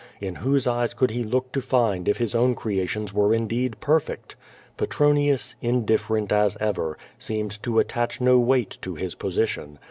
In whose eyes could he look to find if his own creations were in deed perfect? Petronius, indifferent as ever, seemed to at(a(*h no weight to his position.